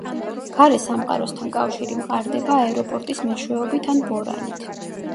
გარე სამყაროსთან კავშირი მყარდება აეროპორტის მეშვეობით ან ბორანით.